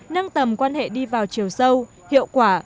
nâng tầm quan hệ đi vào chiều sâu hiệu quả